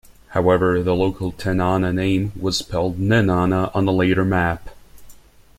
However, the local Tanana name was spelled "Nenana" on a later map.